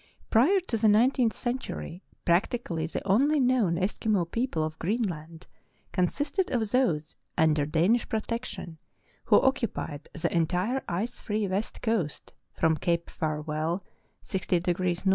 Prior to the nineteenth century practically the only known Eskimo people of Greenland consisted of those under Danish protection, who occupied the entire ice free west coast from Cape Farewell 60° N.